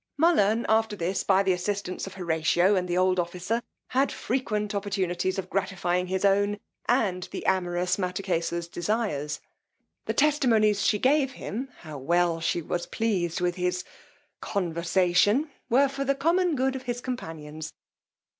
Mullern, after this, by the assistance of Horatio and the old officer, had frequent opportunities of gratifying his own and the amorous Mattakesa's desires. The testimonies she gave him how well she was pleased with his conversation, were for the common good of his companions.